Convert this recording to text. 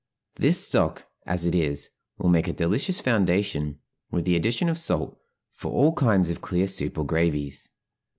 This stock, as it is, will make a delicious foundation, with the addition of salt, for all kinds of clear soup or gravies.